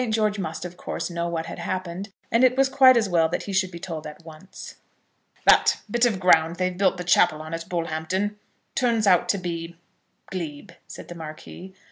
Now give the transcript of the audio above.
George must, of course, know what had happened, and it was quite as well that he should be told at once. "That bit of ground they've built the chapel on at Bullhampton, turns out to be glebe," said the Marquis.